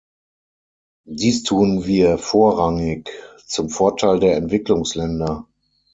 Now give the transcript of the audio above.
Dies tun wir vorrangig zum Vorteil der Entwicklungsländer.